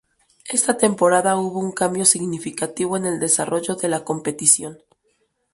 Esta temporada hubo un cambio significativo en el desarrollo de la competición.